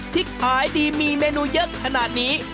ที่ขายดีมีเมนูเยอะขนาดนี้